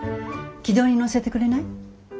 軌道に乗せてくれない？